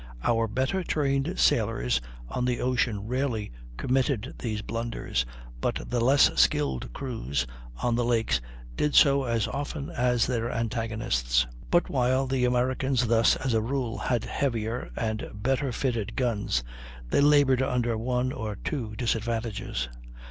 Our better trained sailors on the ocean rarely committed these blunders, but the less skilled crews on the lakes did so as often as their antagonists. But while the Americans thus, as a rule, had heavier and better fitted guns, they labored under one or two disadvantages.